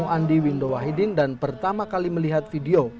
andi window wahidin dan pertama kali melihat video